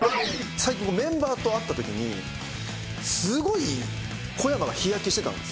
最近メンバーと会った時にすごい小山が日焼けしてたんです。